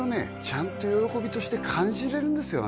ちゃんと喜びとして感じれるんですよ